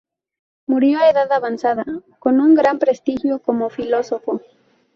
Murió a edad avanzada, con un gran prestigio como filósofo.